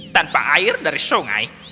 tanpa air dari sungai